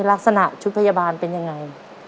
ลักษณะชุดพยาบาลเป็นยังไง